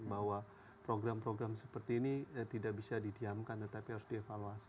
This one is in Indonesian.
bahwa program program seperti ini tidak bisa didiamkan tetapi harus dievaluasi